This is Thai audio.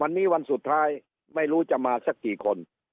วันนี้วันสุดท้ายไม่รู้จะมาสักกี่คน